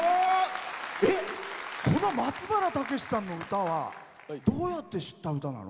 この松原健之さんの歌はどうやって知った歌なの？